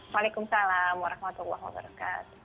waalaikumsalam warahmatullahi wabarakatuh